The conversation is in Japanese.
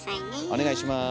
お願いします。